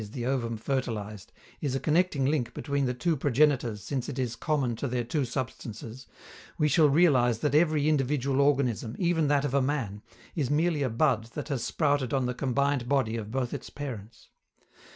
_ the ovum fertilized) is a connecting link between the two progenitors since it is common to their two substances, we shall realize that every individual organism, even that of a man, is merely a bud that has sprouted on the combined body of both its parents.